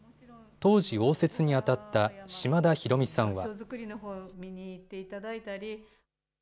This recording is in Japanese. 当時、応接に当たった嶋田比呂美さんは。